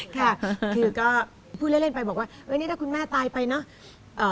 ค่ะคือก็พูดเล่นไปบอกว่านี่ถ้าคุณแม่ตายไปเนอะ